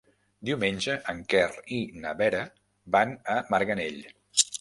Diumenge en Quer i na Vera van a Marganell.